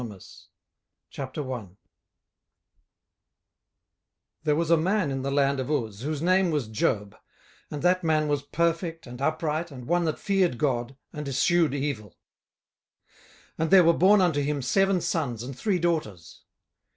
Book 18 Job 18:001:001 There was a man in the land of Uz, whose name was Job; and that man was perfect and upright, and one that feared God, and eschewed evil. 18:001:002 And there were born unto him seven sons and three daughters.